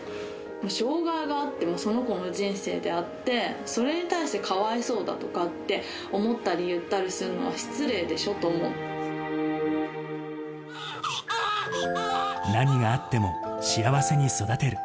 障がいがあっても、その子の人生であって、それに対してかわいそうだとかって思ったり言ったりするのは失礼何があっても幸せに育てる。